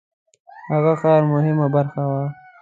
هغه ښار مهمه برخه وه.